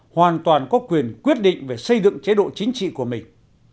hoàn toàn có quyền quyết định về xây dựng chế độ chính trị của mình